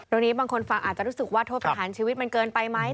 นี้บางคนฟังอาจจะรู้สึกว่าโทษประหารชีวิตมันเกินไปไหม